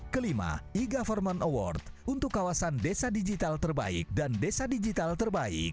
kelima e government award untuk kawasan desa digital terbaik dan desa digital terbaik